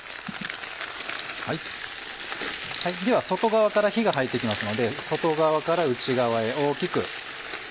では外側から火が入って行きますので外側から内側へ大きく。